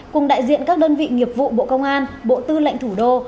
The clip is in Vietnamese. cùng đại diện các đơn vị nghiệp vụ bộ công an bộ tư lệnh thủ đô